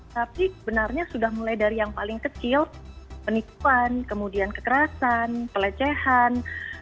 tapi benarnya sudah mulai dari yang paling kecil penipuan kemudian kekerasan pelecehan